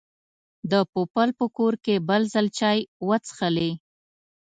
د پوپل په کور کې بل ځل چای وڅښلې.